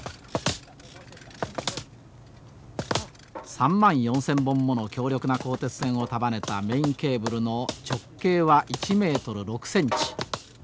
３万４，０００本もの強力な鋼鉄線を束ねたメインケーブルの直径は１メートル６センチ。